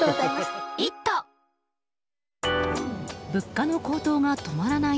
物価の高騰が止まらない